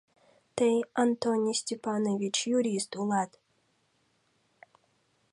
Тый, Антоний Степанович, юрист улат.